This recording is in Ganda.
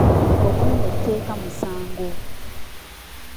Okumenya etteeka musango.